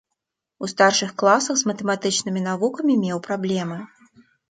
У старшых класах з матэматычнымі навукамі меў праблемы.